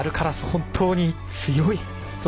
本当に強い。